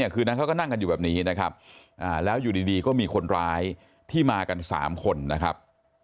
คืนนั้นเขาก็นั่งกันอยู่แบบนี้นะครับแล้วอยู่ดีก็มีคนร้ายที่มากัน๓คนนะครับ